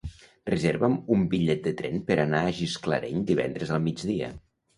Reserva'm un bitllet de tren per anar a Gisclareny divendres al migdia.